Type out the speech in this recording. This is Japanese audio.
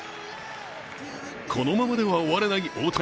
このままでは終われない大谷。